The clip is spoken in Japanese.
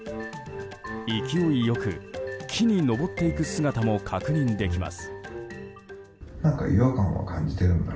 勢いよく木に登っていく姿も確認できます。